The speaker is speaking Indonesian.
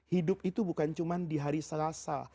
hidup itu bukan cuma di hari selasa